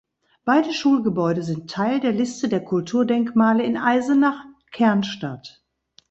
Beide Schulgebäude sind Teil der Liste der Kulturdenkmale in Eisenach (Kernstadt).